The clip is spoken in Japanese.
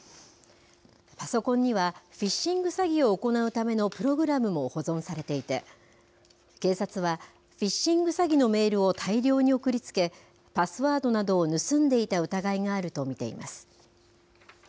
パソコンにはフィッシング詐欺を行うためのプログラムも保存されていて、警察はフィッシング詐欺のメールを大量に送りつけ、パスワードなどを盗んでいた疑いがあると見ています。